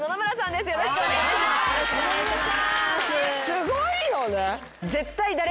すごいよね。